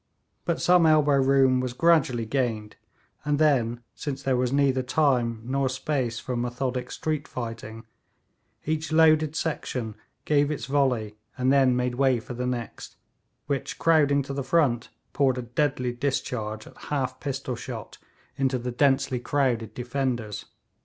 But some elbow room was gradually gained, and then, since there was neither time nor space for methodic street fighting, each loaded section gave its volley and then made way for the next, which, crowding to the front, poured a deadly discharge at half pistol shot into the densely crowded defenders.